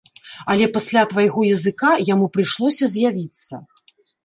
Але пасля твайго языка яму прыйшлося з'явіцца.